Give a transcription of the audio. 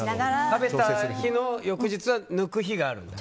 食べた日の翌日は抜く日があるんだ。